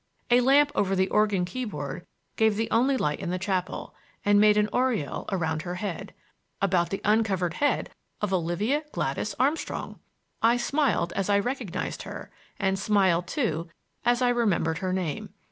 A lamp over the organ keyboard gave the only light in the chapel, and made an aureole about her head,— about the uncovered head of Olivia Gladys Armstrong! I smiled as I recognized her and smiled, too, as I remembered her name.